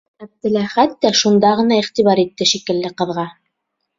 Әптеләхәт тә шунда ғына иғтибар итте шикелле ҡыҙға.